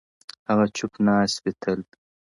o هغه چوپ ناست وي تل,